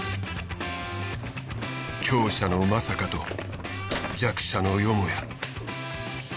強者のまさかと弱者のよもや。